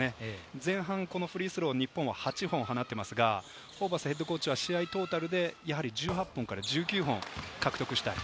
前半フリースロー、日本は８本放っていますが、ホーバスＨＣは試合トータルで１８本から１９本を獲得したい。